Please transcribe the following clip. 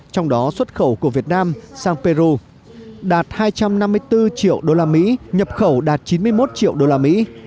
trong đó xuất khẩu của việt nam sang peru đạt hai trăm năm mươi bốn triệu đô la mỹ nhập khẩu đạt chín mươi một triệu đô la mỹ